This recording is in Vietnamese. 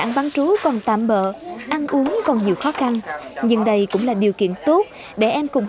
ăn bán trú còn tạm bỡ ăn uống còn nhiều khó khăn nhưng đây cũng là điều kiện tốt để em cùng